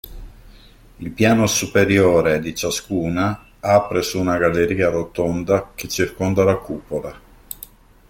Il piano superiore di ciascuna apre su una galleria rotonda che circonda la cupola.